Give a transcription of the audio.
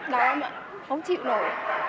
đau lắm ạ không chịu nổi